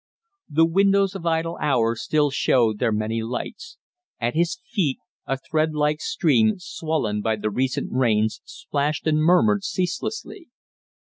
The windows of Idle Hour still showed their many lights. At his feet a thread like stream, swollen by the recent rains, splashed and murmured ceaselessly.